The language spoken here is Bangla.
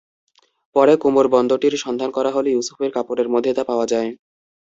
পরে কোমরবন্দটির সন্ধান করা হলে ইউসুফের কাপড়ের মধ্যে তা পাওয়া যায়।